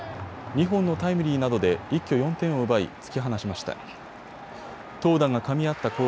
２本のタイムリーなどで一挙４点を奪い突き放しました。